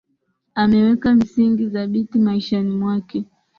Ameweka msingi dhabiti maishani mwake